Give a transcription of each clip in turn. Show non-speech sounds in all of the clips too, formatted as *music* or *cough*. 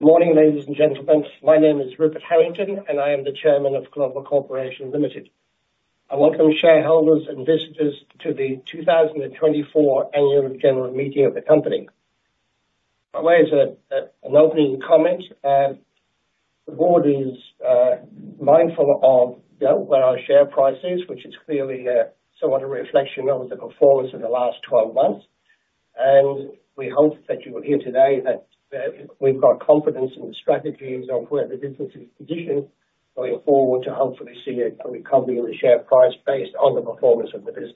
Good morning, ladies and gentlemen. My name is Rupert Harrington, and I am the Chairman of Clover Corporation Limited. I welcome shareholders and visitors to the 2024 Annual General Meeting of the company. By way of an opening comment, the board is mindful of where our share price is, which is clearly somewhat a reflection of the performance of the last 12 months, and we hope that you will hear today that we've got confidence in the strategies of where the business is positioned going forward to hopefully see a recovery in the share price based on the performance of the business.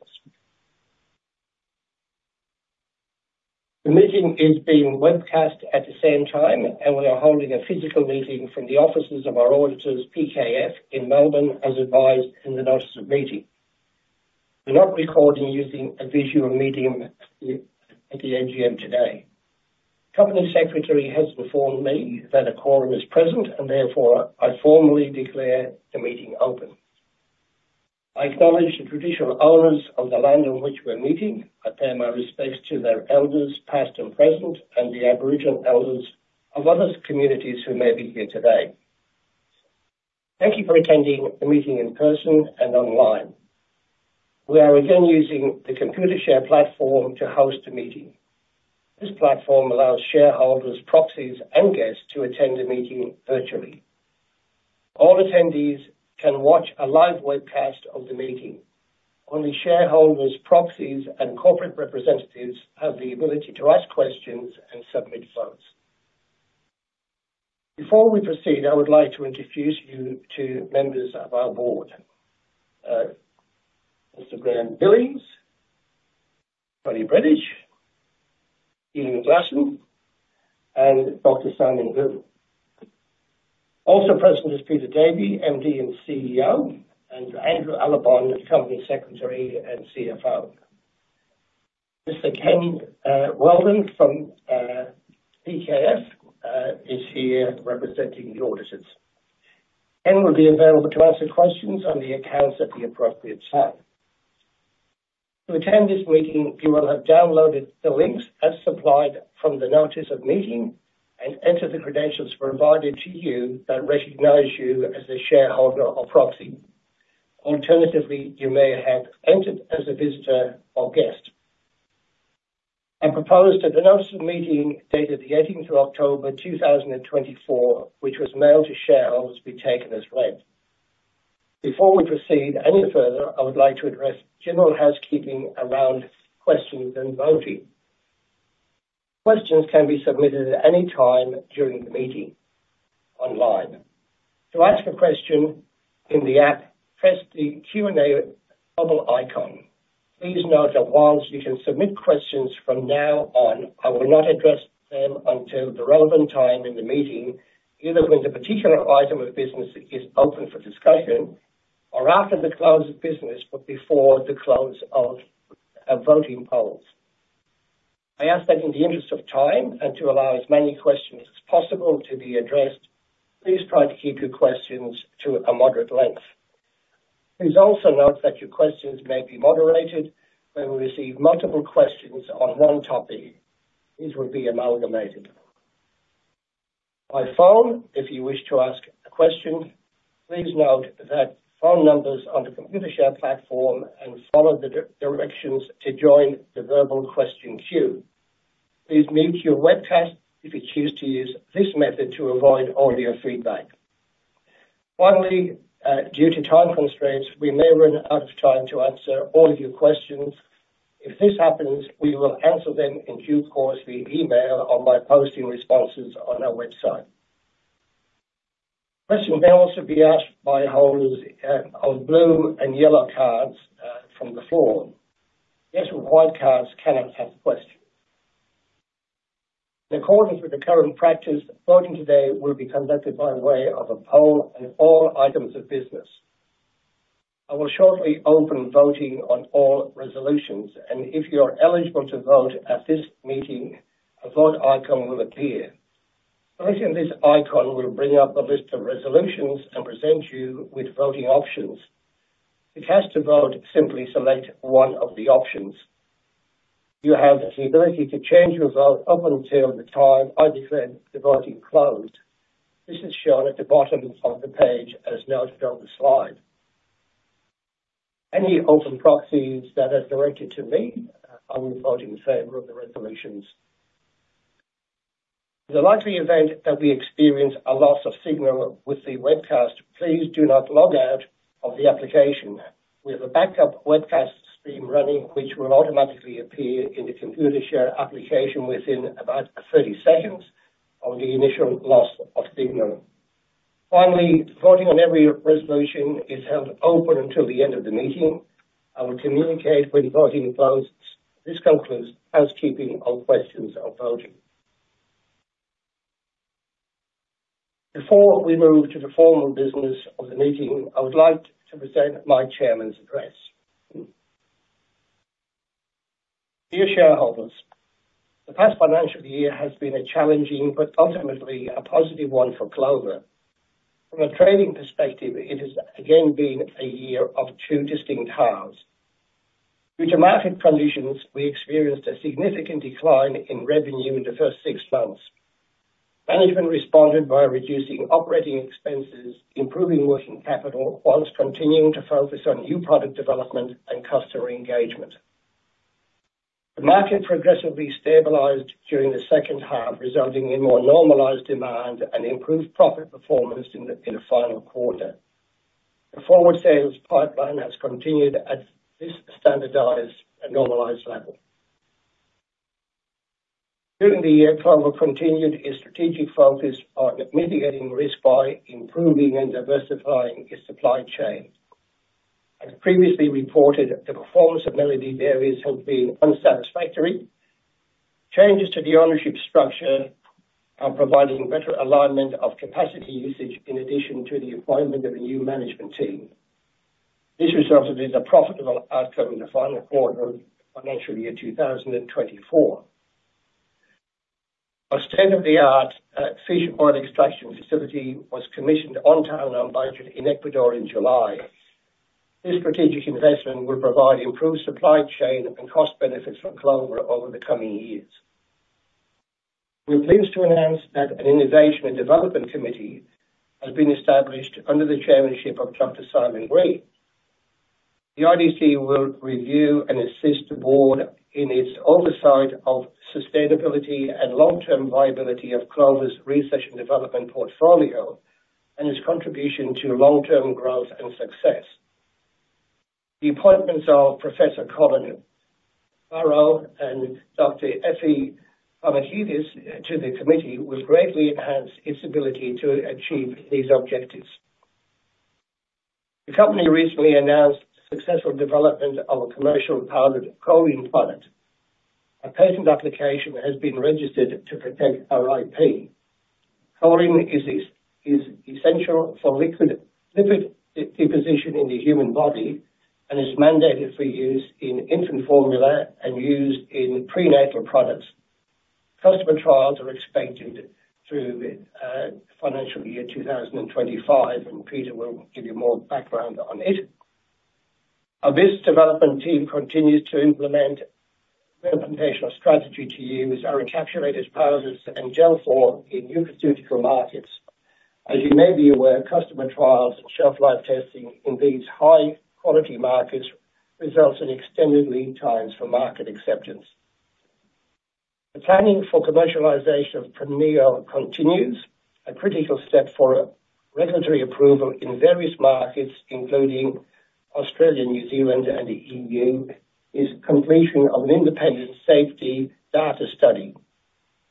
The meeting is being webcast at the same time, and we are holding a physical meeting from the offices of our auditors, PKF, in Melbourne, as advised in the notice of meeting. We're not recording using a visual medium at the AGM today. The company secretary has informed me that a quorum is present, and therefore I formally declare the meeting open. I acknowledge the traditional owners of the land on which we're meeting. I pay my respects to their elders, past and present, and the Aboriginal elders of other communities who may be here today. Thank you for attending the meeting in person and online. We are again using the Computershare platform to host the meeting. This platform allows shareholders, proxies, and guests to attend the meeting virtually. All attendees can watch a live webcast of the meeting. Only shareholders, proxies, and corporate representatives have the ability to ask questions and submit votes. Before we proceed, I would like to introduce you to members of our board: Mr. Graeme Billings, Toni Brendish, Ian Glasson, and Dr. Simon Green. Also present is Peter Davey, MD and CEO, and Andrew Allibon, company secretary and CFO. Mr. Ken Weldin from PKF is here representing the auditors. Ken will be available to answer questions on the accounts at the appropriate time. To attend this meeting, you will have downloaded the links as supplied from the notice of meeting and entered the credentials provided to you that recognize you as a shareholder or proxy. Alternatively, you may have entered as a visitor or guest. I propose that the notice of meeting dated the 18th of October 2024, which was mailed to shareholders, be taken as read. Before we proceed any further, I would like to address general housekeeping around questions and voting. Questions can be submitted at any time during the meeting online. To ask a question in the app, press the Q&A bubble icon. Please note that while you can submit questions from now on, I will not address them until the relevant time in the meeting, either when the particular item of business is open for discussion or after the close of business, but before the close of the voting polls. I ask that in the interest of time and to allow as many questions as possible to be addressed, please try to keep your questions to a moderate length. Please also note that your questions may be moderated. When we receive multiple questions on one topic, these will be amalgamated. By phone, if you wish to ask a question, please note the phone numbers on the Computershare platform and follow the directions to join the verbal question queue. Please mute your webcast if you choose to use this method to avoid audio feedback. Finally, due to time constraints, we may run out of time to answer all of your questions. If this happens, we will answer them in due course via email or by posting responses on our website. Questions may also be asked by holders of blue and yellow cards from the floor. Guests with white cards cannot ask questions. In accordance with the current practice, voting today will be conducted by way of a poll on all items of business. I will shortly open voting on all resolutions, and if you are eligible to vote at this meeting, a vote icon will appear. Clicking this icon will bring up a list of resolutions and present you with voting options. If you have to vote, simply select one of the options. You have the ability to change your vote up until the time I declare the voting closed. This is shown at the bottom of the page as noted on the slide. Any open proxies that are directed to me are voting in favor of the resolutions. In the likely event that we experience a loss of signal with the webcast, please do not log out of the application. We have a backup webcast stream running, which will automatically appear in the Computershare application within about 30 seconds of the initial loss of signal. Finally, voting on every resolution is held open until the end of the meeting. I will communicate when voting closes. This concludes housekeeping on questions of voting. Before we move to the formal business of the meeting, I would like to present my chairman's address. Dear shareholders, the past financial year has been a challenging, but ultimately a positive one for Clover. From a trading perspective, it has again been a year of two distinct halves. Due to market conditions, we experienced a significant decline in revenue in the first six months. Management responded by reducing operating expenses, improving working capital, while continuing to focus on new product development and customer engagement. The market progressively stabilized during the second half, resulting in more normalized demand and improved profit performance in the final quarter. The forward sales pipeline has continued at this standardized and normalized level. During the year, Clover continued its strategic focus on mitigating risk by improving and diversifying its supply chain. As previously reported, the performance of Melody Dairies has been unsatisfactory. Changes to the ownership structure are providing better alignment of capacity usage in addition to the appointment of a new management team. This resulted in a profitable outcome in the final quarter of financial year 2024. A state-of-the-art fish oil extraction facility was commissioned on time and on budget in Ecuador in July. This strategic investment will provide improved supply chain and cost benefits for Clover over the coming years. We're pleased to announce that an Innovation and Development Committee has been established under the chairmanship of Dr. Simon Green. The IDC will review and assist the board in its oversight of sustainability and long-term viability of Clover's research and development portfolio and its contribution to long-term growth and success. The appointments of Professor Colin Barrow and Dr. Effie Farmakidis to the committee will greatly enhance its ability to achieve these objectives. The company recently announced the successful development of a commercial pilot of a choline product. A patent application has been registered to protect our IP. Choline is essential for lipid deposition in the human body and is mandated for use in infant formula and used in prenatal products. Customer trials are expected through financial year 2025, and Peter will give you more background on it. Our business development team continues the implementation of strategy to use our encapsulated powders and Gelphorm in nutraceutical markets. As you may be aware, customer trials and shelf life testing in these high-quality markets results in extended lead times for market acceptance. The planning for commercialization of Premneo continues. A critical step for regulatory approval in various markets, including Australia, New Zealand, and the EU, is completion of an independent safety data study.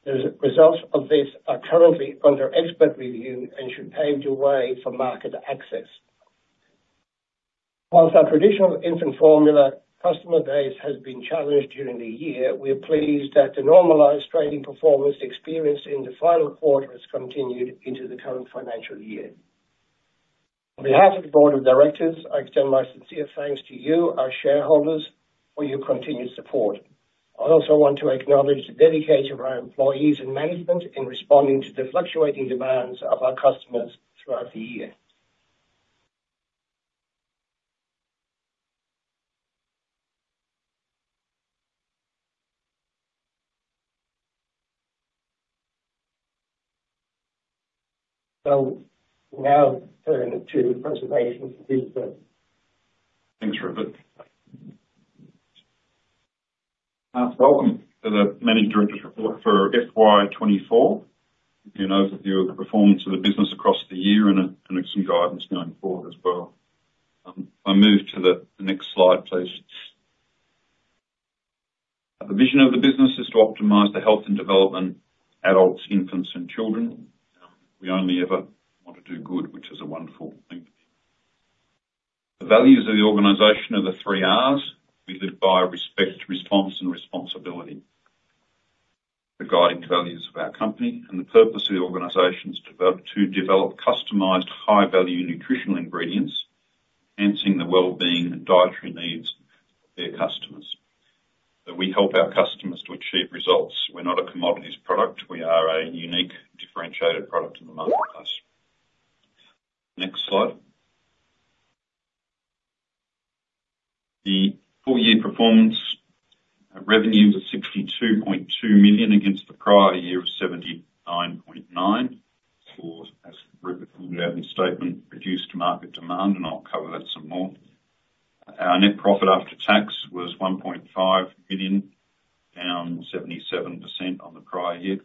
The results of this are currently under expert review and should pave the way for market access. While our traditional infant formula customer base has been challenged during the year, we are pleased that the normalized trading performance experienced in the final quarter has continued into the current financial year. On behalf of the board of directors, I extend my sincere thanks to you, our shareholders, for your continued support. I also want to acknowledge the dedication of our employees and management in responding to the fluctuating demands of our customers throughout the year. Now turn to presentations. Thanks, Rupert. Welcome to the Managing Director's report for FY 2024. You know, the performance of the business across the year and some guidance going forward as well. If I move to the next slide, please. The vision of the business is to optimize the health and development of adults, infants, and children. We only ever want to do good, which is a wonderful thing. The values of the organization are the three Rs. We live by respect, response, and responsibility. The guiding values of our company and the purpose of the organization is to develop customized high-value nutritional ingredients, enhancing the well-being and dietary needs of their customers. We help our customers to achieve results. We're not a commodities product. We are a unique, differentiated product in the marketplace. Next slide. The full year performance revenue was 62.2 million against the prior year of 79.9 million. As Rupert put out in the statement, reduced market demand, and I'll cover that some more. Our net profit after tax was 1.5 million, down 77% on the prior year.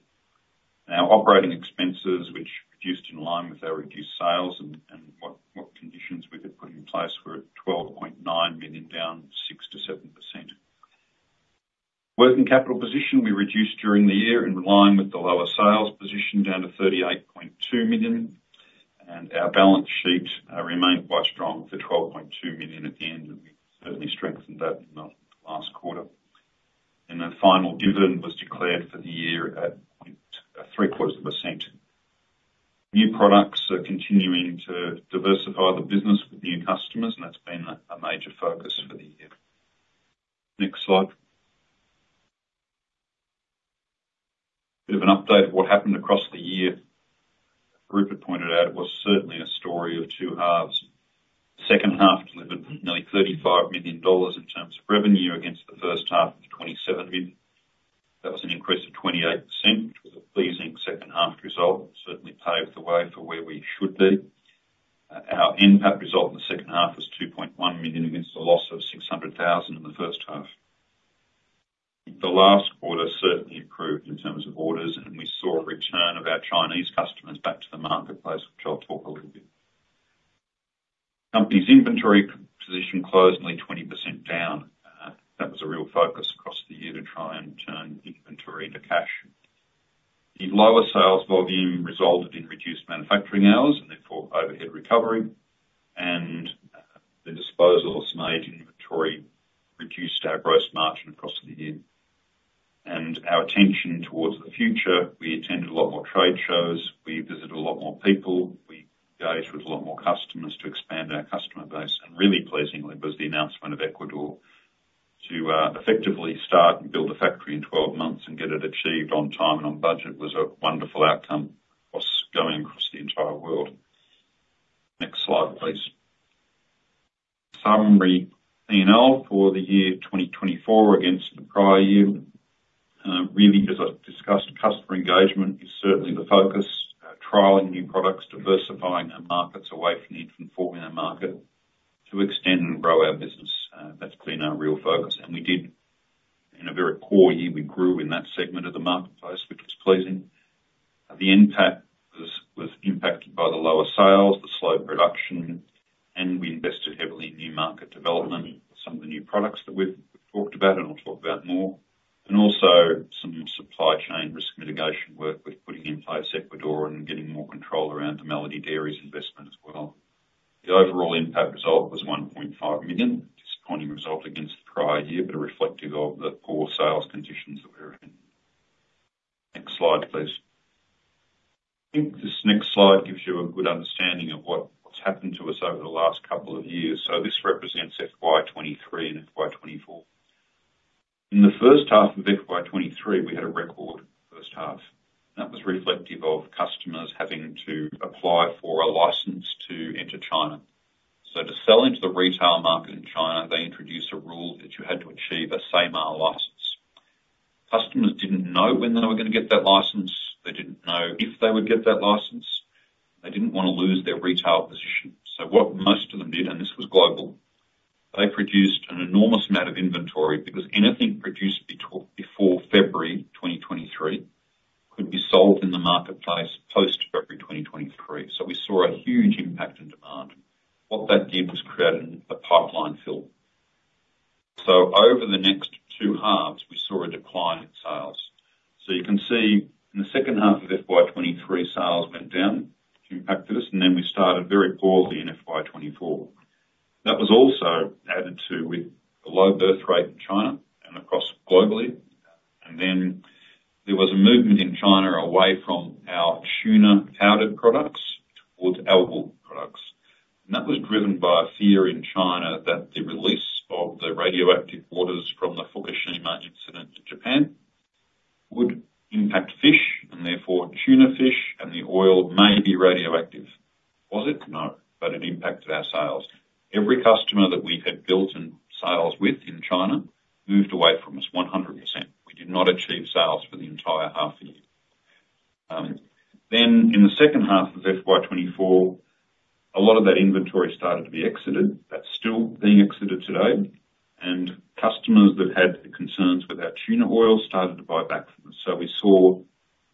Our operating expenses, which reduced in line with our reduced sales and what conditions we had put in place, were 12.9 million, down 6%-7%. Working capital position we reduced during the year in line with the lower sales position, down to 38.2 million. Our balance sheet remained quite strong for 12.2 million at the end. We certainly strengthened that in the last quarter. The final dividend was declared for the year at 0.75%. New products are continuing to diversify the business with new customers, and that's been a major focus for the year. Next slide. Bit of an update of what happened across the year. Rupert pointed out it was certainly a story of two halves. The second half delivered nearly AUD 35 million in terms of revenue against the first half of 2017. That was an increase of 28%, which was a pleasing second half result. Certainly paved the way for where we should be. Our impact result in the second half was 2.1 million against a loss of 600,000 in the first half. The last quarter certainly improved in terms of orders, and we saw a return of our Chinese customers back to the marketplace, which I'll talk a little bit. Company's inventory position closed nearly 20% down. That was a real focus across the year to try and turn inventory into cash. The lower sales volume resulted in reduced manufacturing hours and therefore overhead recovery, and the disposal of some aged inventory reduced our gross margin across the year. And our attention towards the future, we attended a lot more trade shows. We visited a lot more people. We engaged with a lot more customers to expand our customer base. And really pleasingly, it was the announcement of Ecuador to effectively start and build a factory in 12 months and get it achieved on time and on budget was a wonderful outcome going across the entire world. Next slide, please. Summary P&L for the year 2024 against the prior year. Really, as I've discussed, customer engagement is certainly the focus. Trialing new products, diversifying our markets away from the infant formula market to extend and grow our business. That's been our real focus. And we did, in a very core year, we grew in that segment of the marketplace, which was pleasing. The impact was impacted by the lower sales, the slow production, and we invested heavily in new market development with some of the new products that we've talked about and I'll talk about more, and also some supply chain risk mitigation work with putting in place Ecuador and getting more control around the Melody Dairies' investment as well. The overall impact result was 1.5 million, a disappointing result against the prior year, but reflective of the poor sales conditions that we're in. Next slide, please. I think this next slide gives you a good understanding of what's happened to us over the last couple of years. So this represents FY 2023 and FY 2024. In the first half of FY 2023, we had a record first half. That was reflective of customers having to apply for a license to enter China. To sell into the retail market in China, they introduced a rule that you had to achieve a SAMAR license. Customers didn't know when they were going to get that license. They didn't know if they would get that license. They didn't want to lose their retail position. So what most of them did, and this was global, they produced an enormous amount of inventory because anything produced before February 2023 could be sold in the marketplace post-February 2023. So we saw a huge impact in demand. What that did was create a pipeline fill. So over the next two halves, we saw a decline in sales. So you can see in the second half of FY 2023, sales went down, which impacted us, and then we started very poorly in FY 2024. That was also added to with a low birth rate in China and across globally. Then there was a movement in China away from our tuna powdered products towards algal products. That was driven by fear in China that the release of the radioactive waters from the Fukushima incident in Japan would impact fish and therefore tuna fish, and the oil may be radioactive. Was it? No. But it impacted our sales. Every customer that we had built in sales with in China moved away from us 100%. We did not achieve sales for the entire half a year. Then in the second half of FY 2024, a lot of that inventory started to be exited. That's still being exited today. And customers that had concerns with our tuna oil started to buy back from us. So we saw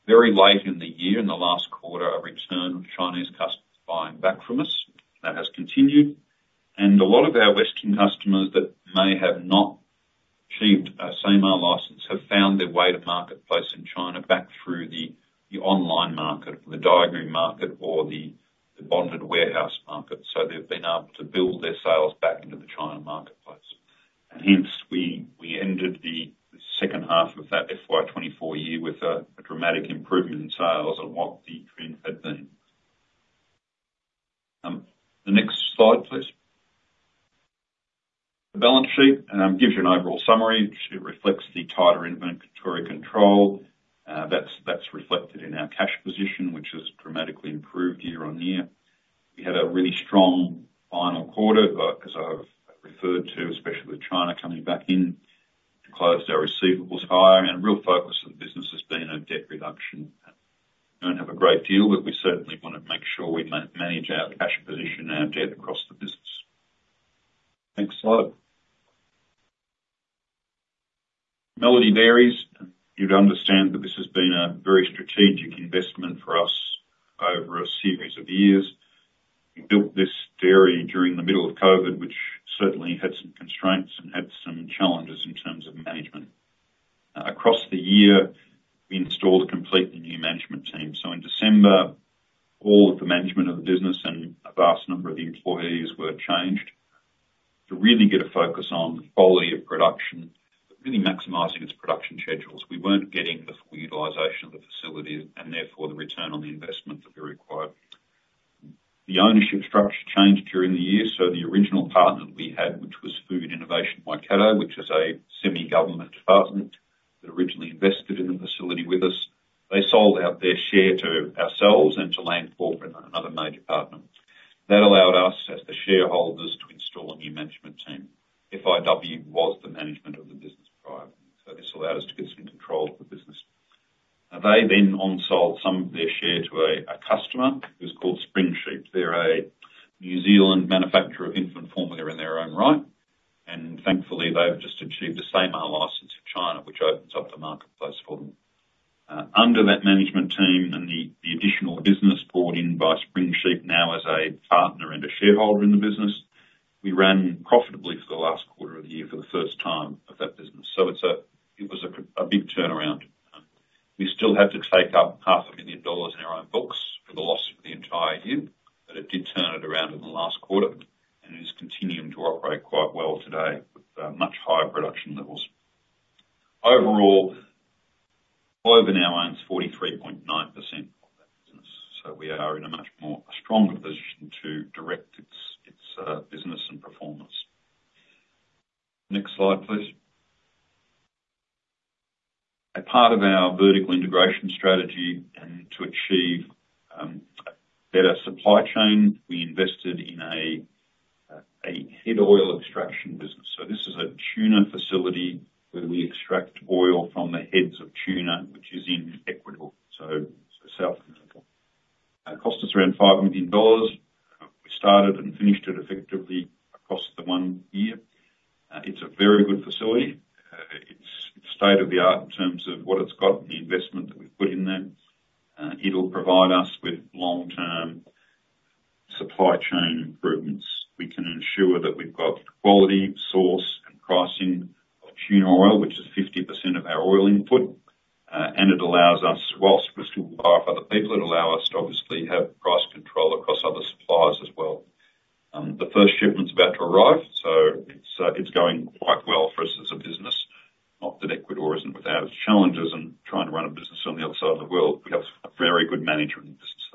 very late in the year, in the last quarter, a return of Chinese customers buying back from us. That has continued. A lot of our Western customers that may have not achieved a SAMAR license have found their way to the marketplace in China back through the online market, the Daigou market, or the bonded warehouse market. So they've been able to build their sales back into the China marketplace. Hence, we ended the second half of that FY 2024 year with a dramatic improvement in sales on what the trend had been. The next slide, please. The balance sheet gives you an overall summary. It reflects the tighter inventory control. That's reflected in our cash position, which has dramatically improved year on year. We had a really strong final quarter, but as I've referred to, especially with China coming back in, we closed our receivables higher. A real focus of the business has been on debt reduction. We don't have a great deal, but we certainly want to make sure we manage our cash position and our debt across the business. Next slide. Melody Dairies. You'd understand that this has been a very strategic investment for us over a series of years. We built this dairy during the middle of COVID, which certainly had some constraints and had some challenges in terms of management. Across the year, we installed a completely new management team. So in December, all of the management of the business and a vast number of the employees were changed to really get a focus on the quality of production, really maximizing its production schedules. We weren't getting the full utilization of the facility and therefore the return on the investment that we required. The ownership structure changed during the year. The original partner that we had, which was Food Innovation Waikato, which is a semi-government department that originally invested in the facility with us, they sold out their share to ourselves and to Landcorp and another major partner. That allowed us, as the shareholders, to install a new management team. FIW was the management of the business prior. So this allowed us to get some control of the business. They then on-sold some of their share to a customer who's called Spring Sheep. They're a New Zealand manufacturer of infant formula in their own right. And thankfully, they've just achieved a SAMAR license in China, which opens up the marketplace for them. Under that management team and the additional business bought in by Spring Sheep now as a partner and a shareholder in the business, we ran profitably for the last quarter of the year for the first time of that business. So it was a big turnaround. We still had to take up 500,000 dollars in our own books for the loss of the entire year, but it did turn it around in the last quarter and is continuing to operate quite well today with much higher production levels. Overall, Clover now owns 43.9% of that business. So we are in a much more stronger position to direct its business and performance. Next slide, please. A part of our vertical integration strategy and to achieve a better supply chain, we invested in a fish oil extraction business. This is a tuna facility where we extract oil from the heads of tuna, which is in Ecuador, so South America. It cost us around 5 million dollars. We started and finished it effectively across the one year. It's a very good facility. It's state of the art in terms of what it's got and the investment that we've put in there. It'll provide us with long-term supply chain improvements. We can ensure that we've got quality, source, and pricing of tuna oil, which is 50% of our oil input. And it allows us, whilst we're still wired for other people, it allows us to obviously have price control across other suppliers as well. The first shipment's about to arrive, so it's going quite well for us as a business. Not that Ecuador isn't without its challenges and trying to run a business on the other side of the world. We have a very good management in the business,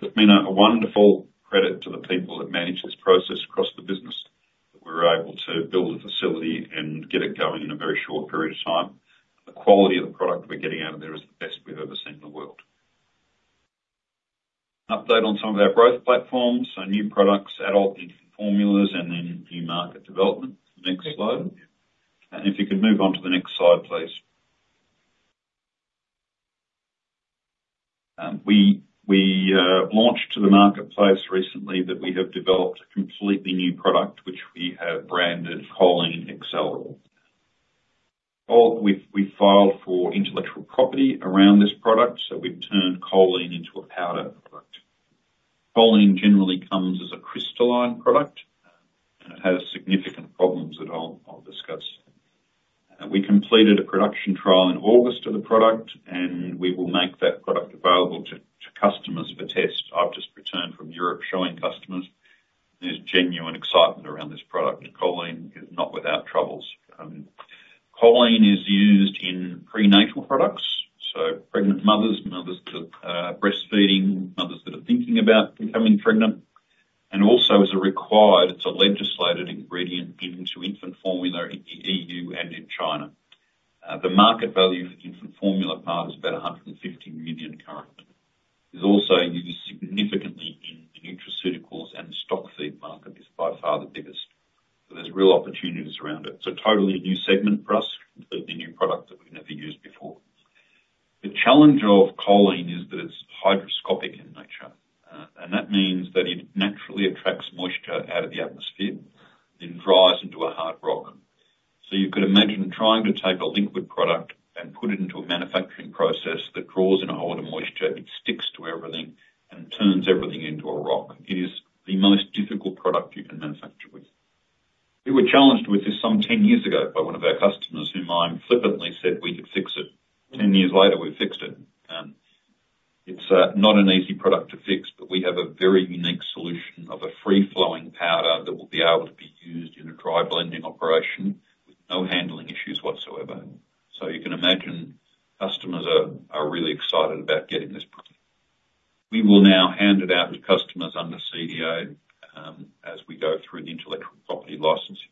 though. It's been a wonderful credit to the people that manage this process across the business that we were able to build a facility and get it going in a very short period of time. The quality of the product we're getting out of there is the best we've ever seen in the world. Update on some of our growth platforms. So new products, adult infant formulas, and then new market development. Next slide, and if you could move on to the next slide, please. We launched to the marketplace recently that we have developed a completely new product, which we have branded Choline Accelerator. We filed for intellectual property around this product, so we've turned choline into a powder product. Choline generally comes as a crystalline product, and it has significant problems that I'll discuss. We completed a production trial in August of the product, and we will make that product available to customers for test. I've just returned from Europe showing customers. There's genuine excitement around this product. Choline is not without troubles. Choline is used in prenatal products, so pregnant mothers, mothers that are breastfeeding, mothers that are thinking about becoming pregnant, and also, as a required, it's a legislated ingredient into infant formula in the EU and in China. The market value for infant formula powder is about 150 million currently. It's also used significantly in the nutraceuticals and the stock feed market. It's by far the biggest, so there's real opportunities around it, so totally a new segment for us, completely new product that we've never used before. The challenge of choline is that it's hygroscopic in nature. That means that it naturally attracts moisture out of the atmosphere and dries into a hard rock. So you could imagine trying to take a liquid product and put it into a manufacturing process that draws in a whole lot of moisture. It sticks to everything and turns everything into a rock. It is the most difficult product you can manufacture with. We were challenged with this some 10 years ago by one of our customers whom I flippantly said we could fix it. 10 years later, we fixed it. It's not an easy product to fix, but we have a very unique solution of a free-flowing powder that will be able to be used in a dry blending operation with no handling issues whatsoever. So you can imagine customers are really excited about getting this product. We will now hand it out to customers under CDA as we go through the intellectual property licensing.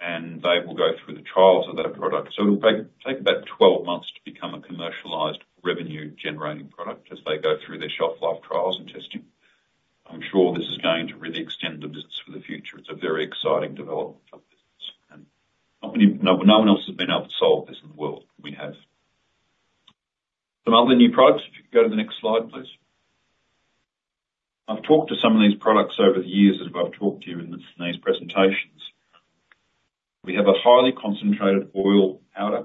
And they will go through the trials of that product. So it'll take about 12 months to become a commercialized revenue-generating product as they go through their shelf-life trials and testing. I'm sure this is going to really extend the business for the future. It's a very exciting development of business. And no one else has been able to solve this in the world we have. Some other new products. If you could go to the next slide, please. I've talked to some of these products over the years that I've talked to you in these presentations. We have a highly concentrated oil powder.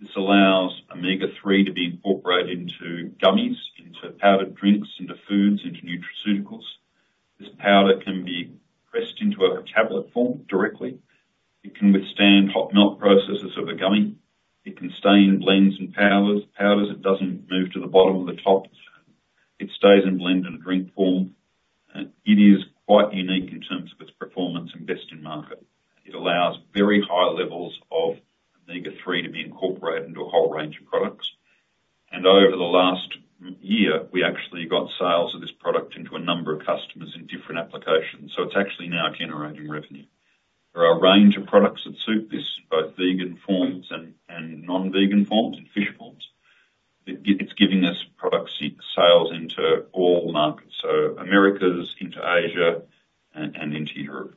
This allows Omega-3 to be incorporated into gummies, into powdered drinks, into foods, into nutraceuticals. This powder can be pressed into a tablet form directly. It can withstand hot melt processes in a gummy. It can stay in blends and powders. It doesn't move to the bottom or the top. It stays in blend and drink form. It is quite unique in terms of its performance and is best in market. It allows very high levels of Omega-3 to be incorporated into a whole range of products, and over the last year, we actually got sales of this product into a number of customers in different applications, so it's actually now generating revenue. There are a range of products that suit this, both vegan forms and non-vegan forms and fish forms. It's giving us product sales into all markets, so Americas, into Asia, and into Europe.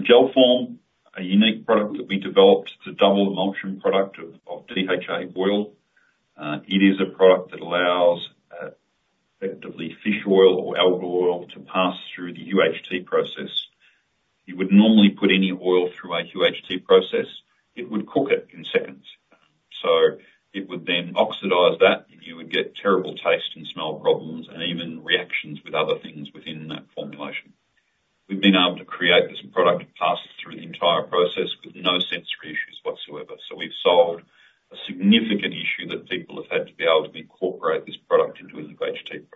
Gelphorm, a unique product that we developed to deliver the emulsion product of DHA oil. It is a product that allows effectively fish oil or algal oil to pass through the UHT process. You would normally put any oil through a UHT process. It would cook it in seconds, so it would then oxidize that, and you would get terrible taste and smell problems and even reactions with other things within that formulation. We've been able to create this product to pass through the entire process with no sensory issues whatsoever, so we've solved a significant issue that people have had to be able to incorporate this product into an UHT product.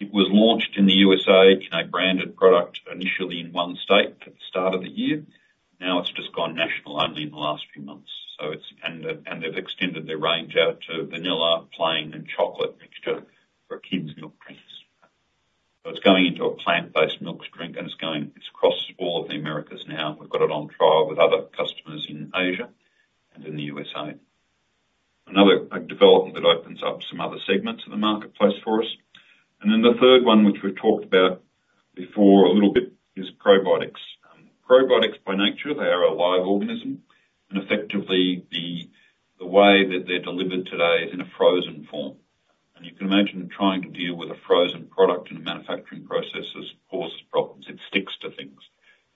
It was launched in the U.S.A. in a branded product initially in one state at the start of the year. Now it's just gone national only in the last few months, and they've extended their range out to vanilla, plain, and chocolate mixture for kids' milk drinks. So it's going into a plant-based milk drink, and it's across all of the Americas now. We've got it on trial with other customers in Asia and in the U.S.A. Another development that opens up some other segments of the marketplace for us. And then the third one, which we've talked about before a little bit, is probiotics. Probiotics by nature, they are a live organism. And effectively, the way that they're delivered today is in a frozen form. And you can imagine trying to deal with a frozen product in a manufacturing process causes problems. It sticks to things.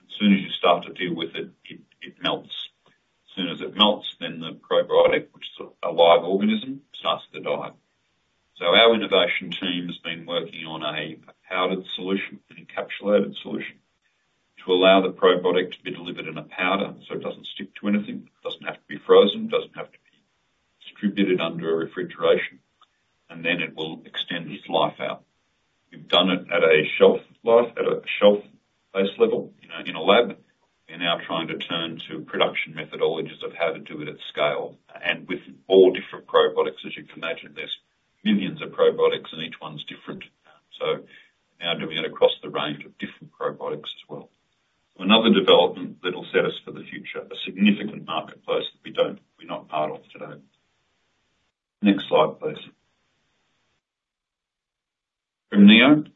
As soon as you start to deal with it, it melts. As soon as it melts, then the probiotics, which is a live organism, starts to die. So our innovation team has been working on a powdered solution, encapsulated solution, to allow the probiotics to be delivered in a powder so it doesn't stick to anything, doesn't have to be frozen, doesn't have to be distributed under refrigeration, and then it will extend its life out. We've done it at a shelf life at a shelf-based level in a lab. We're now trying to turn to production methodologies of how to do it at scale. And with all different probiotics, as you can imagine, there's millions of probiotics, and each one's different. So now doing it across the range of different probiotics as well. Another development that'll set us for the future, a significant marketplace that we're not part of today. Next slide, please. From Premneo.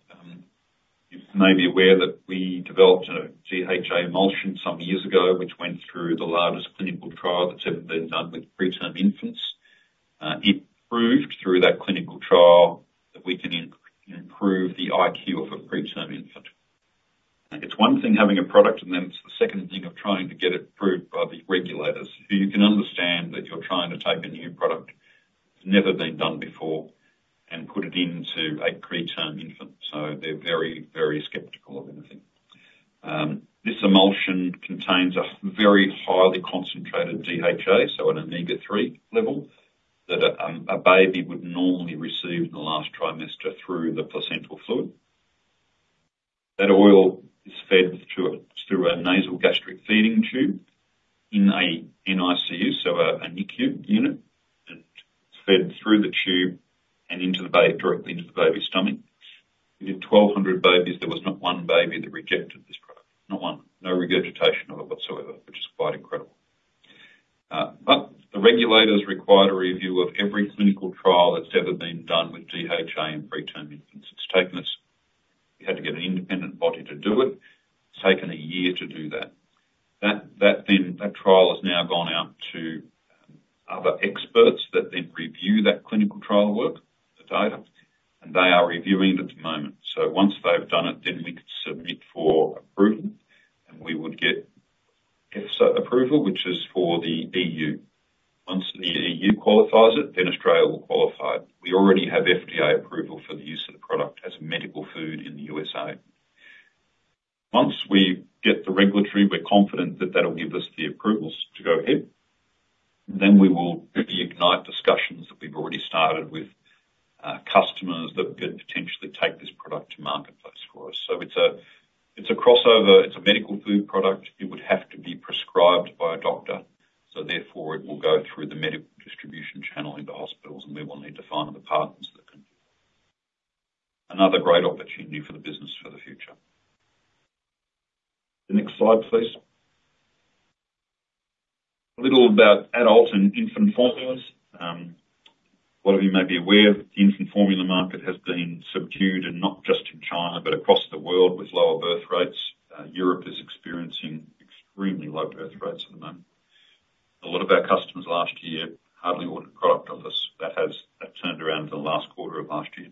You may be aware that we developed a DHA emulsion some years ago, which went through the largest clinical trial that's ever been done with preterm infants. It proved through that clinical trial that we can improve the IQ of a preterm infant. It's one thing having a product, and then it's the second thing of trying to get it approved A lot of you may be aware of the infant formula market has been subdued, and not just in China, but across the world with lower birth rates. Europe is experiencing extremely low birth rates at the moment. A lot of our customers last year hardly ordered product of us. That turned around in the last quarter of last year.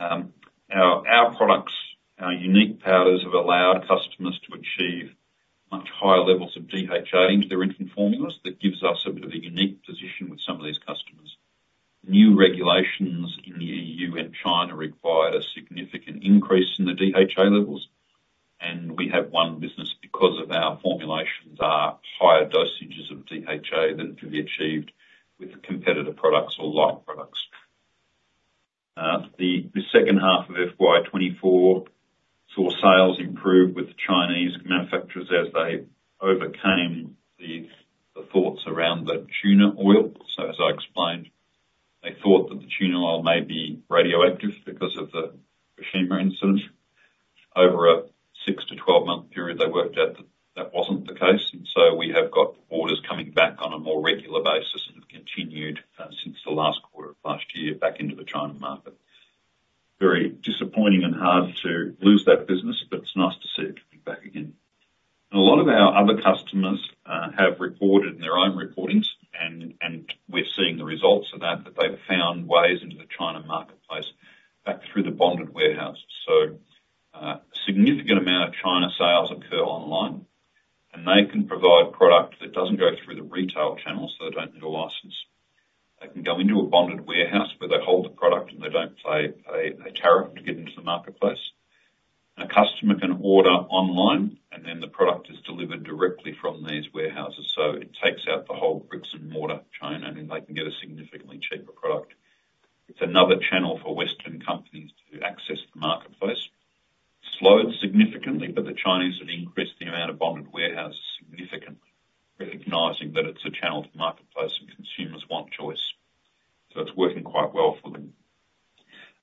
Our products, our unique powders have allowed customers to achieve much higher levels of DHA into their infant formulas. That gives us a bit of a unique position with some of these customers. New regulations in the EU and China required a significant increase in the DHA levels, and we have won business because of our formulations are higher dosages of DHA than can be achieved with competitor products or like products. The second half of FY 2024 saw sales improve with the Chinese manufacturers as they overcame the thoughts around the tuna oil, so as I explained, they thought that the tuna oil may be radioactive because of the Fukushima incident. Over a 6-12-month period, they worked out that that wasn't the case. We have got orders coming back on a more regular basis and have continued since the last quarter of last year back into the China market. Very disappointing and hard to lose that business, but it's nice to see it coming back again. A lot of our other customers have reported in their own reportings, and we're seeing the results of that, that they've found ways into the China marketplace back through the bonded warehouse. A significant amount of China sales occur online, and they can provide product that doesn't go through the retail channel, so they don't need a license. They can go into a bonded warehouse where they hold the product, and they don't pay a tariff to get into the marketplace. A customer can order online, and then the product is delivered directly from these warehouses. So it takes out the whole bricks and mortar chain, and they can get a significantly cheaper product. It's another channel for Western companies to access the marketplace. It's slowed significantly, but the Chinese have increased the amount of bonded warehouses significantly, recognizing that it's a channel to marketplace and consumers want choice. So it's working quite well for them.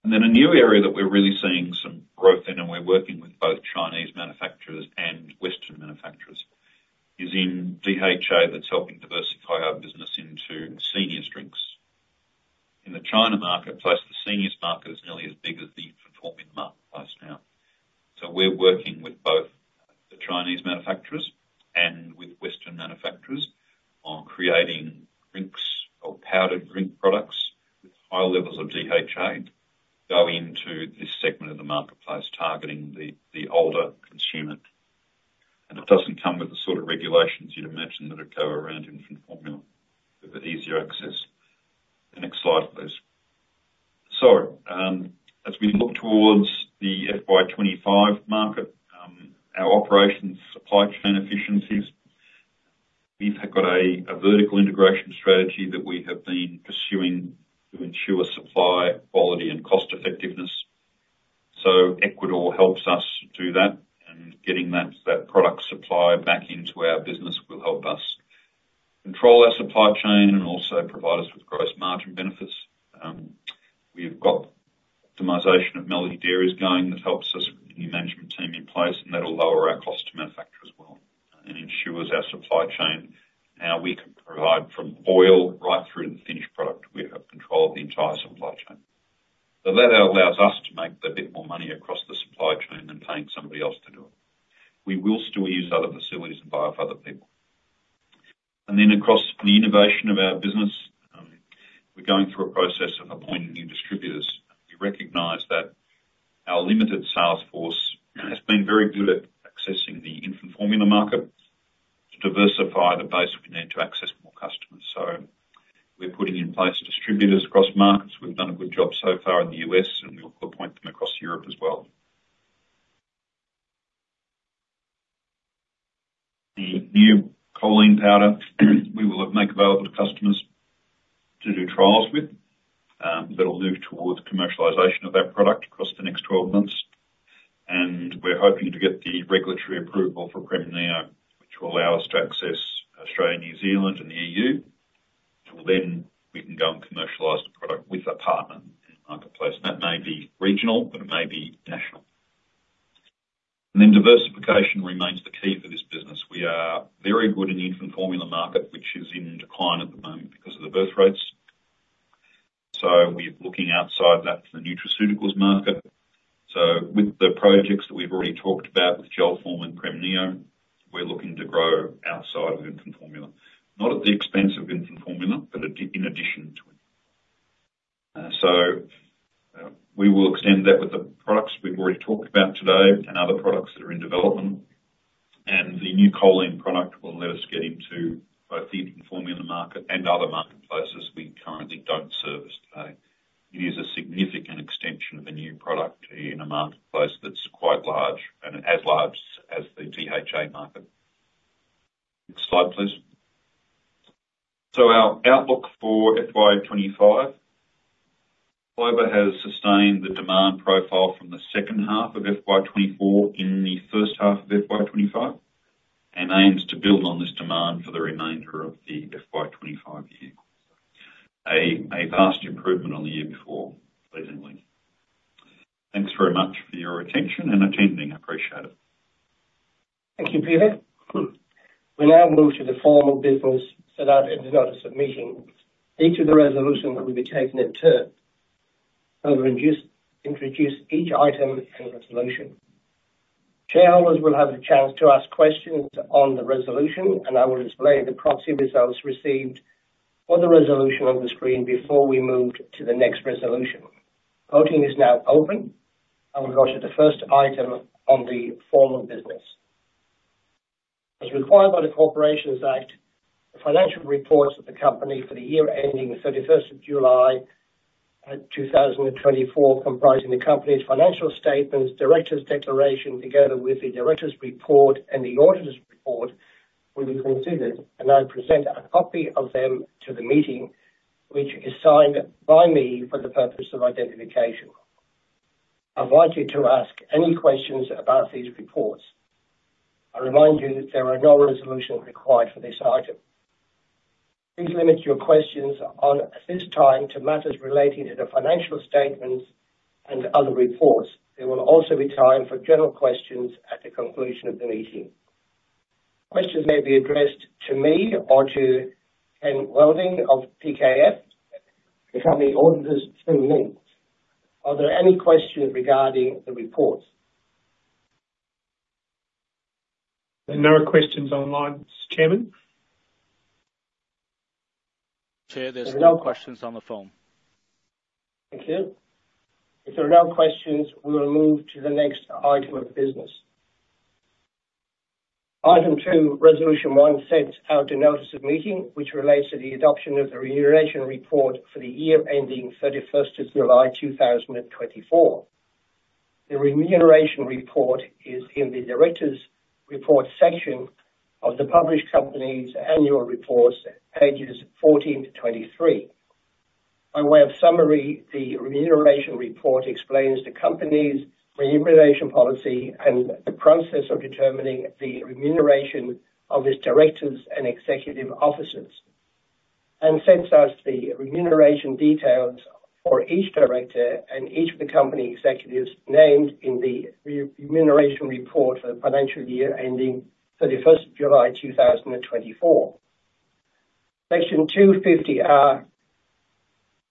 And then a new area that we're really seeing some growth in, and we're working with both Chinese manufacturers and Western manufacturers, is in DHA that's helping diversify our business into senior drinks. In the China marketplace, the senior market is nearly as big as the infant formula marketplace now. So we're working with both the Chinese manufacturers and with Western manufacturers on creating drinks or powdered drink products with high levels of DHA going into this segment of the marketplace, targeting the older consumer. And it doesn't come with the sort of regulations you'd imagine that would go around infant formula with easier access. The next slide, please. So as we look towards the FY 2025 market, our operations supply chain efficiencies, we've got a vertical integration strategy that we have been pursuing to ensure supply quality and cost-effectiveness. So Ecuador helps us do that, and getting that product supply back into our business will help us control our supply chain and also provide us with gross margin benefits. We've got optimization of Melody Dairies going that helps us projects that we've already talked about with Gelphorm and Premneo, we're looking to grow outside of infant formula. Not at the expense of infant formula, but in addition to it. So we will extend that with the products we've already talked about today and other products that are in development. The new choline product will let us get into both the infant formula market and other marketplaces we currently don't service today. It is a significant extension of a new product in a marketplace that's quite large and as large as the DHA market. Next slide, please. Our outlook for FY 2025, Clover has sustained the demand profile from the second half of FY 2024 in the first half of FY 2025 and aims to build on this demand for the remainder of the FY 2025 year. A vast improvement on the year before, pleasingly. Thanks very much for your attention and attending. I appreciate it. Thank you, Peter. We now move to the formal business so that it's not a submission. Each of the resolutions will be taken in turn. I will introduce each item and resolution. Shareholders will have a chance to ask questions on the resolution, and I will display the proxy results received for the resolution on the screen before we move to the next resolution. Voting is now open. I will go to the first item on the formal business. As required by the Corporations Act, the financial reports of the company for the year ending 31st of July 2024, comprising the company's financial statements, director's declaration together with the director's report and the auditor's report, will be considered. I present a copy of them to the meeting, which is signed by me for the purpose of identification. I'd like you to ask any questions about these reports. I remind you that there are no resolutions required for this item. Please limit your questions at this time to matters relating to the financial statements and other reports. There will also be time for general questions at the conclusion of the meeting. Questions may be addressed to me or to Ken Weldin of PKF, the company auditors to me. Are there any questions regarding the reports? There are no questions online, Chairman. Chair, there's no questions on the phone. Thank you. If there are no questions, we will move to the next item of business. Item 2, Resolution 1, sends out a notice of meeting, which relates to the adoption of the remuneration report for the year ending 31st of July 2024. The remuneration report is in the director's report section of the published company's annual reports, pages 14-23. By way of summary, the remuneration report explains the company's remuneration policy and the process of determining the remuneration of its directors and executive officers, and sets out the remuneration details for each director and each of the company executives named in the remuneration report for the financial year ending 31st of July 2024. Section 250,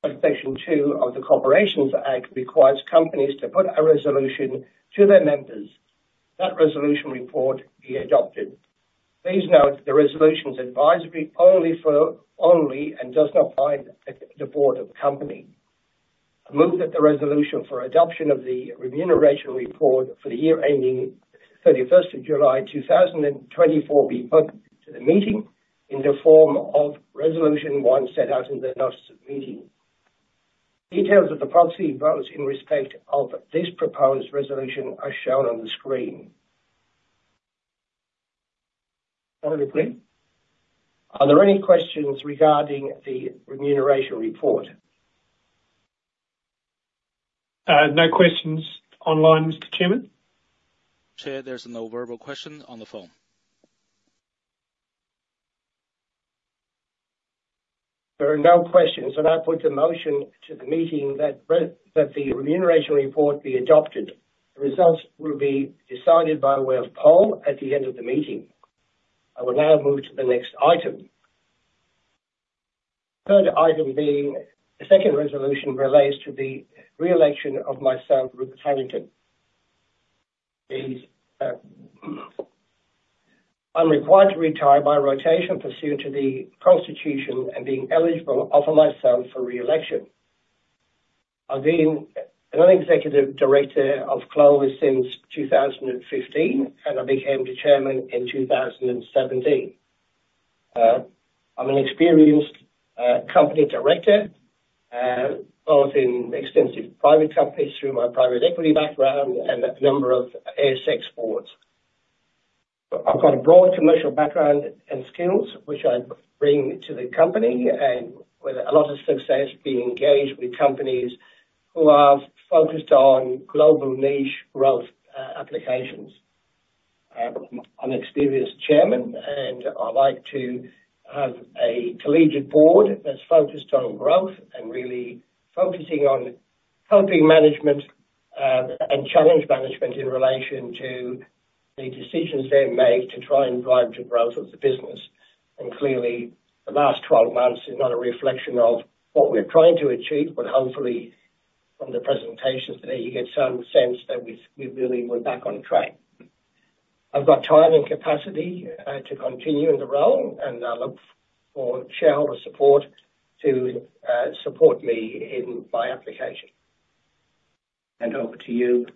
Section 2 of the Corporations Act requires companies to put a resolution to their members that the remuneration report be adopted. Please note the resolution's advisory only and does not bind the board of the company. I move that the resolution for adoption of the remuneration report for the year ending 31st of July 2024 be put to the meeting in the form of Resolution 1 set out in the notice of meeting. Details of the proxy votes in respect of this proposed resolution are shown on the screen. All agree? Are there any questions regarding the remuneration report? No questions online, Mr. Chairman. Chair, there's no verbal question on the phone. There are no questions, and I put the motion to the meeting that the remuneration report be adopted. The results will be decided by way of poll at the end of the meeting. I will now move to the next item. Third item being the second resolution relates to the reelection of myself, Rupert Harrington. I'm required to retire by rotation pursuant to the Constitution and being eligible offer myself for reelection. I've been an executive director of Clover since 2015, and I became chairman in 2017. I'm an experienced company director, both in extensive private companies through my private equity background and a number of ASX boards. I've got a broad commercial background and skills, which I bring to the company and with a lot of success being engaged with companies who are focused on global niche growth applications. I'm an experienced chairman, and I like to have a collegiate board that's focused on growth and really focusing on helping management and challenge management in relation to the decisions they make to try and drive the growth of the business. And clearly, the last 12 months is not a reflection of what we're trying to achieve, but hopefully from the presentations today, you get some sense that we really were back on track. I've got time and capacity to continue in the role, and I look for shareholder support to support me in my application. And over to you.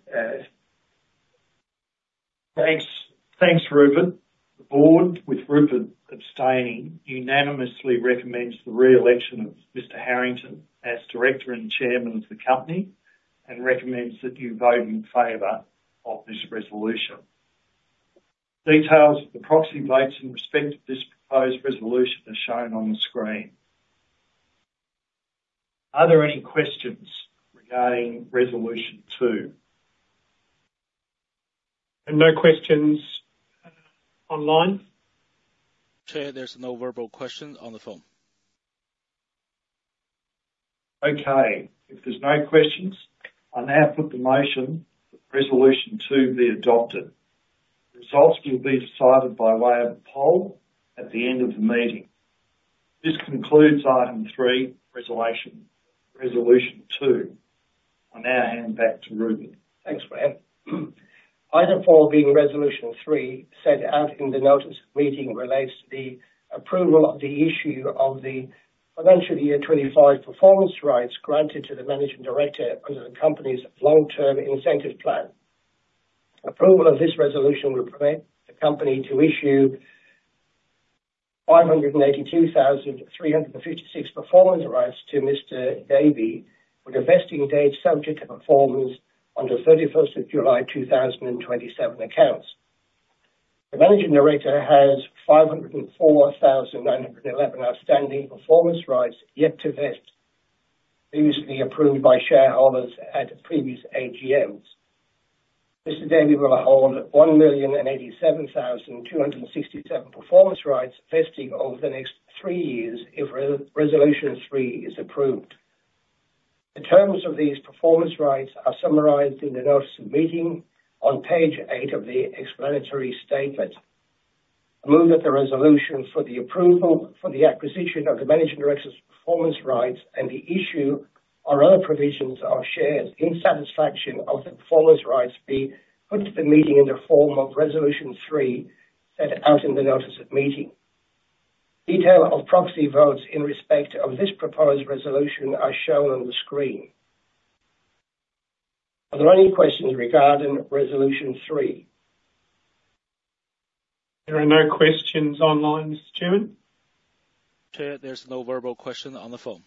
Thanks. Thanks, Rupert. The board, with Rupert abstaining, unanimously recommends the reelection of Mr. Harrington as director and chairman of the company and recommends that you vote in favor of this resolution. Details of the proxy votes in respect of this proposed resolution are shown on the screen. Are there any questions regarding Resolution 2? No questions online. Chair, there's no verbal questions on the phone. Okay. If there's no questions, I now put the motion for Resolution 2 be adopted. Results will be decided by way of a poll at the end of the meeting. This concludes item 3, Resolution 2. I now hand back to Rupert. Thanks. Item 4, being Resolution 3, set out in the notice of meeting relates to the approval of the issue of the financial year 25 performance rights granted to the managing director under the company's long-term incentive plan. Approval of this resolution will permit the company to issue 582,356 performance rights to Mr. Davey with a vesting date subject to performance under 31st of July 2027 accounts. The Managing Director has 504,911 outstanding performance rights yet to vest, previously approved by shareholders at previous AGMs. Mr. Davey will hold 1,087,267 performance rights vesting over the next three years if Resolution 3 is approved. The terms of these performance rights are summarized in the notice of meeting on page 8 of the explanatory statement. I move that the resolution for the approval for the acquisition of the Managing Director's performance rights and the issue or other provisions of shares in satisfaction of the performance rights be put to the meeting in the form of Resolution 3 set out in the notice of meeting. Detail of proxy votes in respect of this proposed resolution are shown on the screen. Are there any questions regarding Resolution 3? There are no questions online, Mr. Chairman. Chair, there's no verbal question on the phone.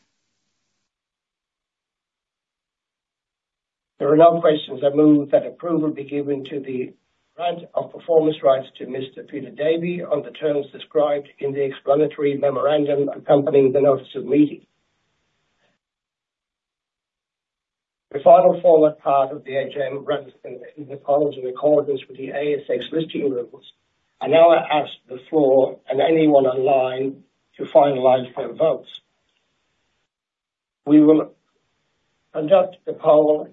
There are no questions. I move that approval be given to the grant of performance rights to Mr. Peter Davey on the terms described in the explanatory memorandum accompanying the notice of meeting. The final formal part of the AGM runs in the columns in accordance with the ASX listing rules. I now ask the floor and anyone online to finalize their votes. We will conduct the poll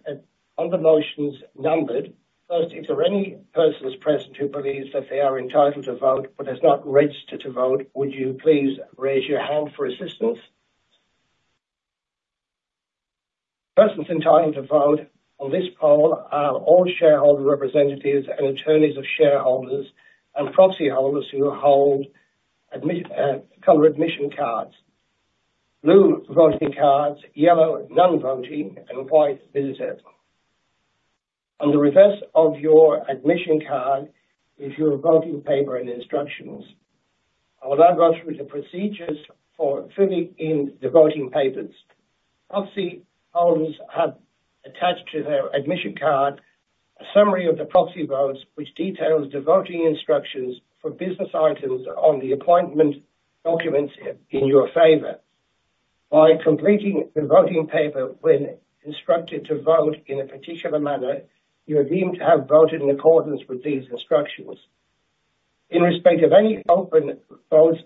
on the motions numbered. First, if there are any persons present who believe that they are entitled to vote but have not registered to vote, would you please raise your hand for assistance? Persons entitled to vote on this poll are all shareholder representatives and attorneys of shareholders and proxy holders who hold color admission cards. Blue voting cards, yellow non-voting, and white visitors. On the reverse of your admission card is your voting paper and instructions. I will now go through the procedures for filling in the voting papers. Proxy holders have attached to their admission card a summary of the proxy votes, which details the voting instructions for business items on the appointment documents in your favor. By completing the voting paper, when instructed to vote in a particular manner, you are deemed to have voted in accordance with these instructions. In respect of any open votes,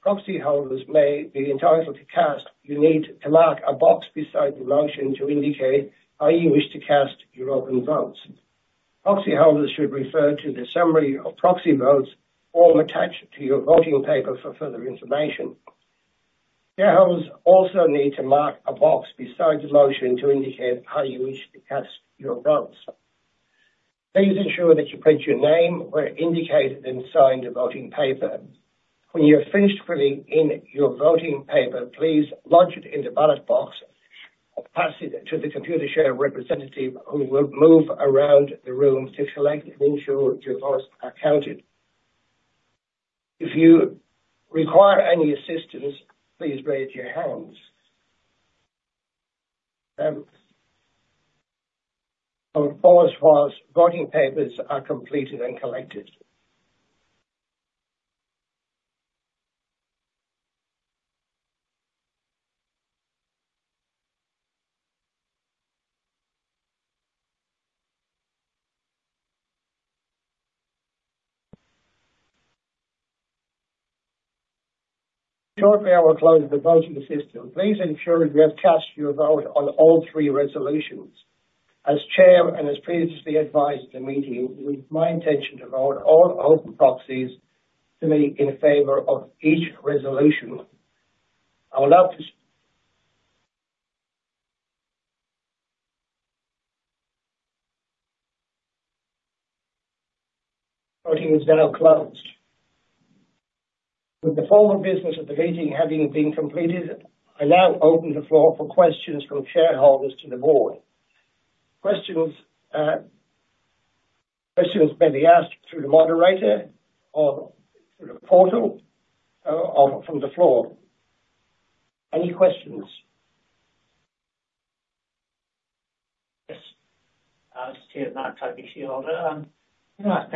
proxy holders may be entitled to cast. You need to mark a box beside the motion to indicate how you wish to cast your open votes. Proxy holders should refer to the summary of proxy votes form attached to your voting paper for further information. Shareholders also need to mark a box beside the motion to indicate how you wish to cast your votes. Please ensure that you print your name where indicated and sign the voting paper. When you have finished filling in your voting paper, please lodge it in the ballot box or pass it to the Computershare representative who will move around the room to collect and ensure your votes are counted. If you require any assistance, please raise your hands. Voting papers are completed and collected. Shortly, I will close the voting system. Please ensure you have cast your vote on all three resolutions. As chair and as previously advised to the meeting, it is my intention to vote all open proxies to me in favor of each resolution. I would like to close voting. Voting is now closed. With the formal business of the meeting having been completed, I now open the floor for questions from shareholders to the board. Questions may be asked through the moderator or through the portal or from the floor. Any questions? Yes. Chair, Mark Tucker, shareholder. I've read about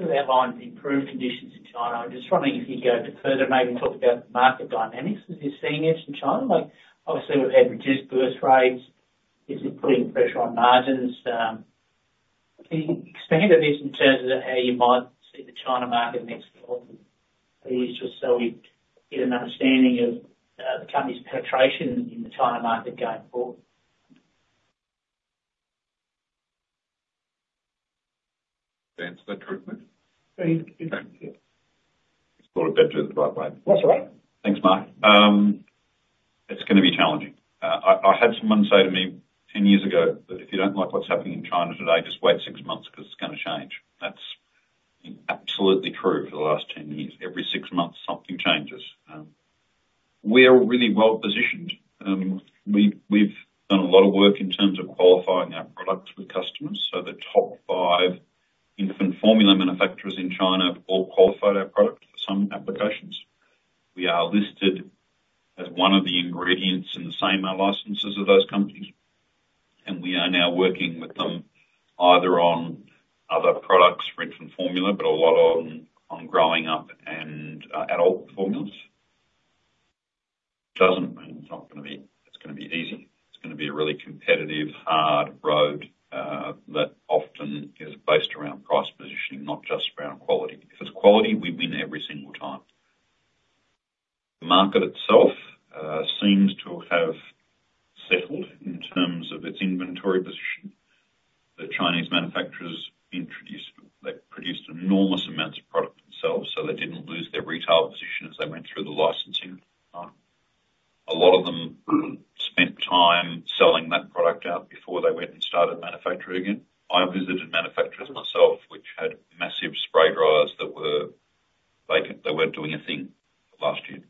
that line of improved conditions in China. I'm just wondering if you could go further, maybe talk about the market dynamics as you're seeing it in China. Obviously, we've had reduced birth rates. Is it putting pressure on margins? Can you expand on this in terms of how you might see the China market next year? Please, just so we get an understanding of the company's penetration in the China market going forward. *audio distortion* Thanks, Mark. It's going to be challenging. I had someone say to me 10 years ago that if you don't like what's happening in China today, just wait six months because it's going to change. That's absolutely true for the last 10 years. Every six months, something changes. We're really well positioned. We've done a lot of work in terms of qualifying our products with customers. So the top five infant formula manufacturers in China have all qualified our product for some applications. We are listed as one of the ingredients in the same licenses of those companies. And we are now working with them either on other products for infant formula, but a lot on growing up and adult formulas. It doesn't mean it's not going to be easy. It's going to be a really competitive, hard road that often is based around price positioning, not just around quality. If it's quality, we win every single time. The market itself seems to have settled in terms of its inventory position. The Chinese manufacturers produced enormous amounts of product themselves, so they didn't lose their retail position as they went through the licensing. A lot of them spent time selling that product out before they went and started manufacturing again. I visited manufacturers myself, which had massive spray dryers that weren't doing a thing last year.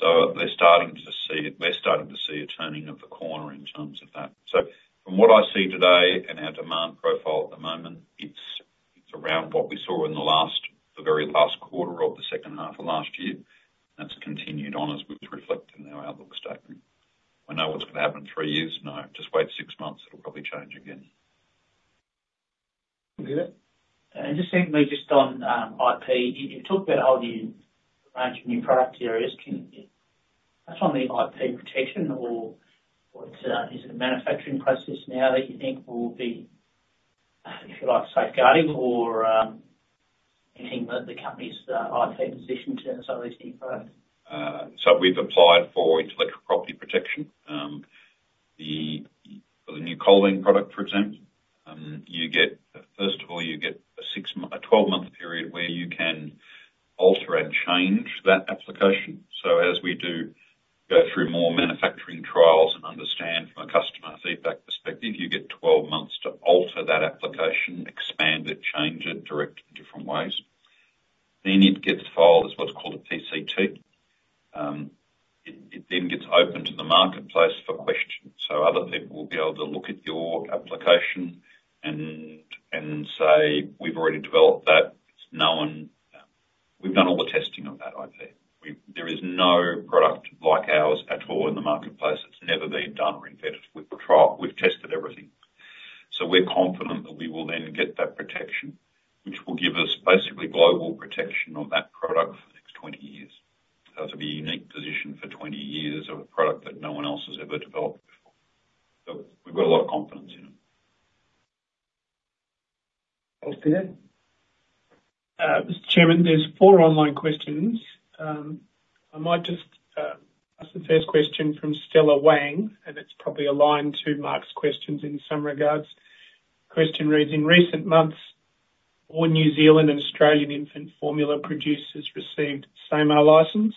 So they're starting to see it. We're starting to see a turning of the corner in terms of that. So from what I see today and our demand profile at the moment, it's around what we saw in the very last quarter of the second half of last year. That's continued on as we've reflected in our outlook statement. I know what's going to happen in three years. No, just wait six months. It'll probably change again. I just think just on IP, you've talked about a whole new range of new product areas. That's on the IP protection, or is it a manufacturing process now that you think will be, if you like, safeguarding or anything that the company's IP position in terms of these new products? So we've applied for intellectual property protection. For the new choline product, for example, first of all, you get a 12-month period where you can alter and change that application. So as we do go through more manufacturing trials and understand from a customer feedback perspective, you get 12 months to alter that application, expand it, change it, direct it in different ways. Then it gets filed as what's called a PCT. It then gets open to the marketplace for questions. So other people will be able to look at your application and say, "We've already developed that. We've done all the testing of that IP. There is no product like ours at all in the marketplace. It's never been done or invented. We've tested everything. So we're confident that we will then get that protection, which will give us basically global protection on that product for the next 20 years. So it'll be a unique position for 20 years of a product that no one else has ever developed before. So we've got a lot of confidence in it. Mr. Chairman, there's four online questions. I might just ask the first question from Stella Wang, and it's probably aligned to Mark's questions in some regards. The question reads, "In recent months, all New Zealand and Australian infant formula producers received SAMAR license.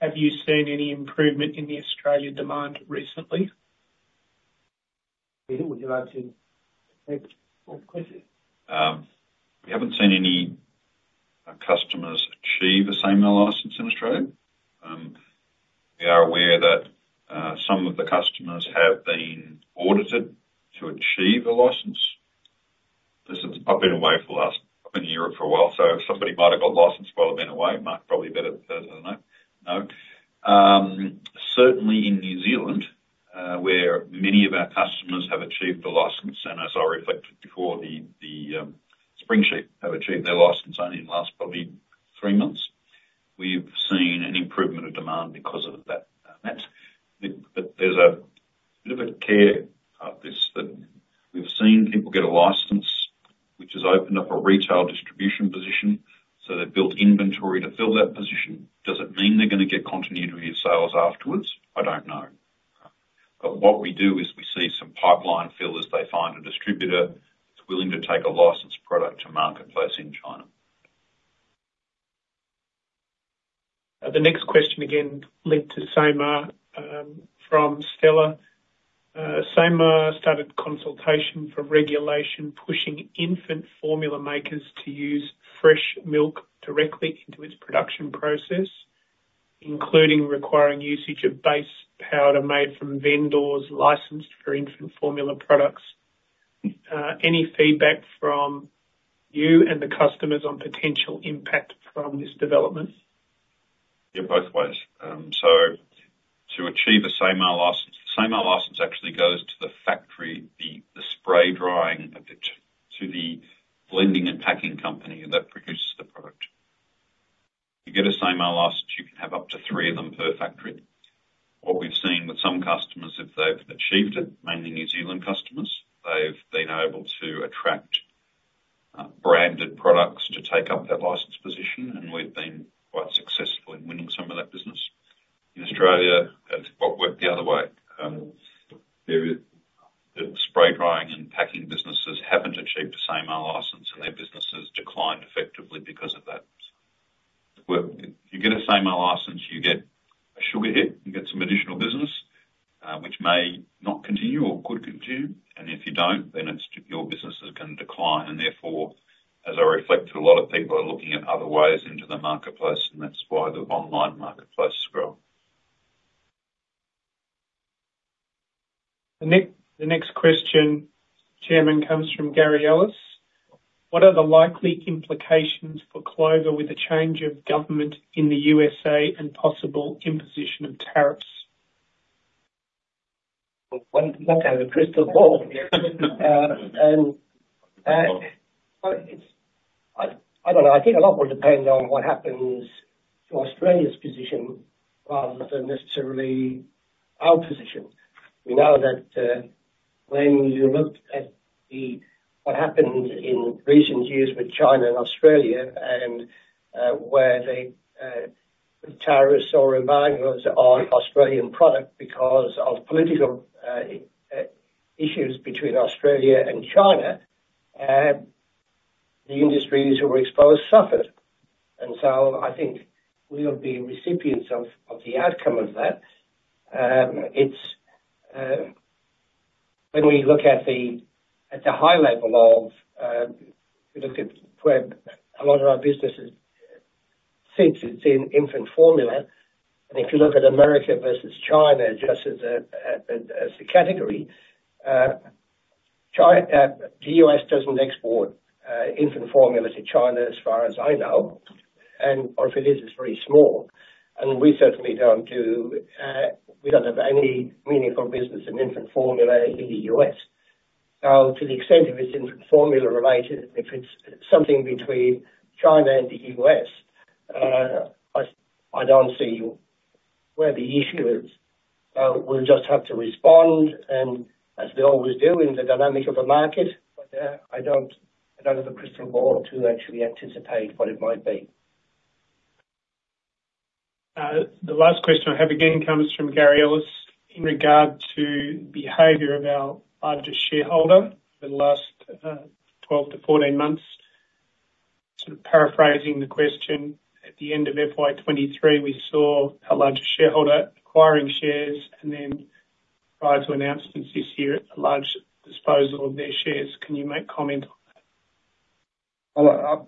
Have you seen any improvement in the Australian demand recently?" Would you like to take the question? We haven't seen any customers achieve a SAMAR license in Australia. We are aware that some of the customers have been audited to achieve a license. I've been away the last while. I've been in Europe for a while, so if somebody might have got licensed while I've been away, Mark, probably better to know. Certainly in New Zealand, where many of our customers have achieved a license, and as I reflected before the Spring Sheep have achieved their license only in the last probably three months, we've seen an improvement of demand because of that. But there's a bit of a caveat to this that we've seen people get a license, which has opened up a retail distribution position. So they've built inventory to fill that position. Does it mean they're going to get continuity of sales afterwards? I don't know. But what we do is we see some pipeline fill as they find a distributor that's willing to take a licensed product to marketplace in China. The next question again linked to SAMAR from Stella. SAMAR started consultation for regulation pushing infant formula makers to use fresh milk directly into its production process, including requiring usage of base powder made from vendors licensed for infant formula products. Any feedback from you and the customers on potential impact from this development? Yeah, both ways. So to achieve a SAMAR license, the SAMAR license actually goes to the factory, the spray drying to the blending and packing company that produces the product. You get a SAMAR license. You can have up to three of them per factory. What we've seen with some customers, if they've achieved it, mainly New Zealand customers, they've been able to attract branded products to take up that license position, and we've been quite successful in winning some of that business. In Australia, it's worked the other way. The spray drying and packing businesses haven't achieved a SAMAR license, and their businesses declined effectively because of that. You get a SAMAR license, you get a sugar hit, you get some additional business, which may not continue or could continue. And if you don't, then your business is going to decline. And therefore, as I reflected, a lot of people are looking at other ways into the marketplace, and that's why the online marketplace is growing. The next question, Chairman, comes from Gary Ellis. What are the likely implications for Clover with the change of government in the USA and possible imposition of tariffs? One can have a crystal ball. I don't know. I think a lot will depend on what happens to Australia's position rather than necessarily our position. We know that when you look at what happened in recent years with China and Australia and where the tariffs or embargoes on Australian product because of political issues between Australia and China, the industries who were exposed suffered. And so I think we will be recipients of the outcome of that. When we look at the high level, if you look at where a lot of our businesses sit, it's in infant formula. And if you look at America versus China just as a category, the U.S. doesn't export infant formula to China as far as I know, or if it is, it's very small. And we certainly don't have any meaningful business in infant formula in the U.S. So to the extent if it's infant formula related, if it's something between China and the U.S., I don't see where the issue is. We'll just have to respond, and as we always do in the dynamic of the market, I don't have a crystal ball to actually anticipate what it might be. The last question I have again comes from Gary Ellis in regard to the behavior of our largest shareholder over the last 12-14 months. Sort of paraphrasing the question, at the end of FY 2023, we saw our largest shareholder acquiring shares and then prior to announcements this year, a large disposal of their shares. Can you make comment on that?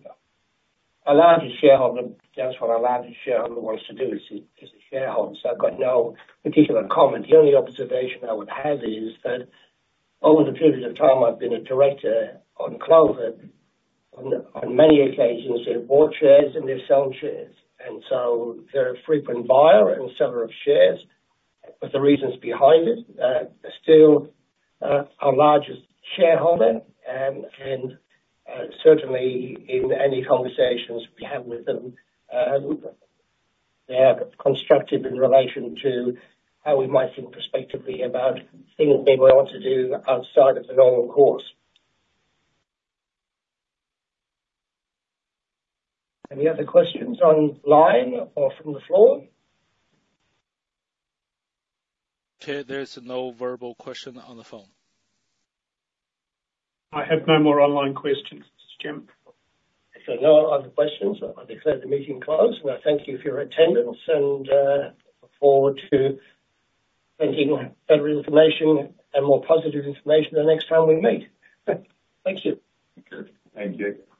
A large shareholder, that's what a large shareholder wants to do is to be a shareholder. So I've got no particular comment. The only observation I would have is that over the period of time I've been a director on Clover, on many occasions, they've bought shares and they've sold shares. And so they're a frequent buyer and seller of shares for the reasons behind it. Still, our largest shareholder, and certainly in any conversations we have with them, they are constructive in relation to how we might think prospectively about things we want to do outside of the normal course. Any other questions online or from the floor? There's no verbal question on the phone. I have no more online questions, Mr. Chair. If there are no other questions, I declare the meeting closed. And I thank you for your attendance and look forward to thinking better information and more positive information the next time we meet. Thank you. Thank you.